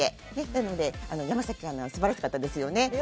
なので、山崎アナは素晴らしかったですね。